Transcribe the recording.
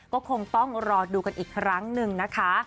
ก็คงต้องรอดูกันอีกครั้งหนึ่งนะคะ